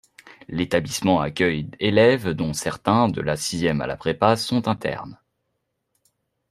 L'établissement accueille élèves dont certains, de la sixième à la prépa, sont internes.